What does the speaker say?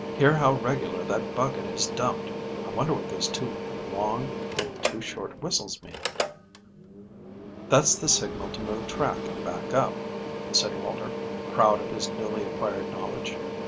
Hear how regular that bucket is dumped. I wonder what those two long and two short whistles mean." "That's the signal to move track and back up," said Walter, proud of his newly acquired knowledge.